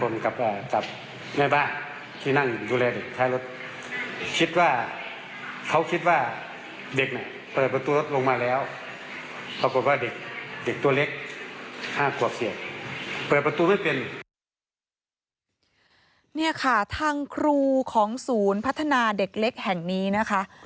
นี่ค่ะทางครูของศูนย์พัฒนาเด็กเล็กแห่งนี้นะคะ